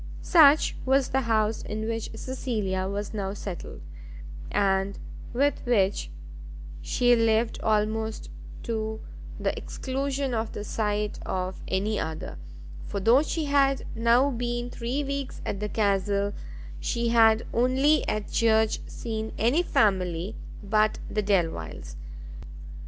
Such was the house in which Cecilia was now settled, and with which she lived almost to the exclusion of the sight of any other; for though she had now been three weeks at the castle, she had only at church seen any family but the Delviles.